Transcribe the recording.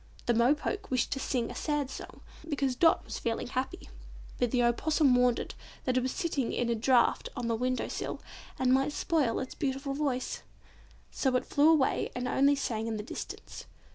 The Mo poke wished to sing a sad song because Dot was feeling happy, but the Opossum warned it that it was sitting in a draught on the window sill and might spoil its beautiful voice, so it flew away and only sang in the distance.